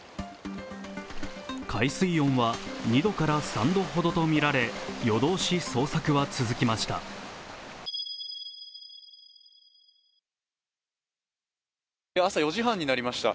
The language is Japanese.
海水温は２度から３度ほどとみられ夜通し捜索は続きました。